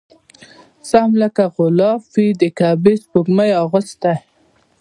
سم لکه غلاف وي د کعبې سپوږمۍ اغوستی